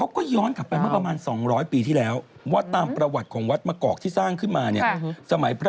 อันแรก๑๔๖อันนี้๑๗๗เมตรเป็นไม้แต่เคียนทอง